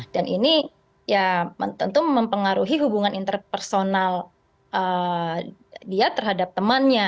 dan ini ya tentu mempengaruhi hubungan interpersonal dia terhadap temannya